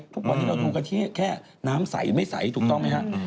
ทุกวันนี้เราดูกันที่แค่น้ำใสไม่ใสถูกต้องไหมครับ